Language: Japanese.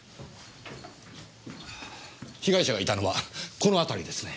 被害者がいたのはこの辺りですね。